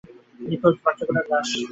নিখোঁজ বাচ্চাগুলোর লাশ।